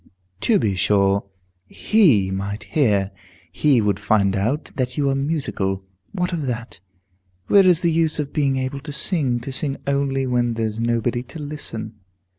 "To be sure, he might hear. He would find out that you are musical. What of that? Where is the use of being able to sing, to sing only when there's nobody to listen?"